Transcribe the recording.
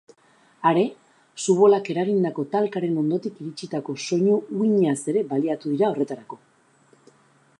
Are, su-bolak eragindako talkaren ondotik iritsitako soinu-uhinaz ere baliatu dira horretarako.